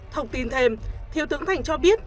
thông tin thêm thiếu tướng thành cho biết